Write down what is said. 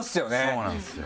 そうなんですよ。